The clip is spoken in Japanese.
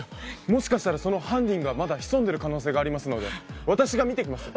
もしかしたらその犯人がまだ潜んでる可能性がありますので私が見て来ます。